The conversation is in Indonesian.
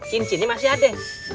cincinnya masih ada